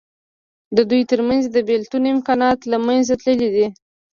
د دوی تر منځ د بېلتون امکانات له منځه تللي دي.